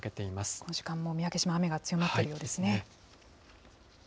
この時間も三宅島、雨が強まっているようですね。